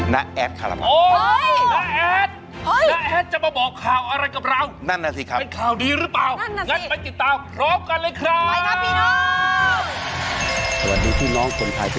นะแอดหละ